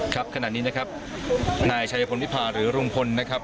ครับขณะนี้นะครับนายชายพลวิพาหรือลุงพลนะครับ